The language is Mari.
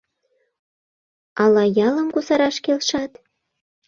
Ала ялым кусараш келшат?